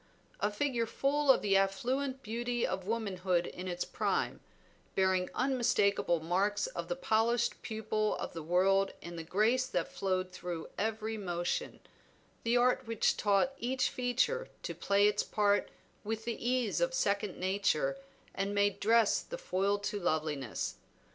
A figure full of the affluent beauty of womanhood in its prime, bearing unmistakable marks of the polished pupil of the world in the grace that flowed through every motion, the art which taught each feature to play its part with the ease of second nature and made dress the foil to loveliness.